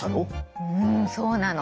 うんそうなの！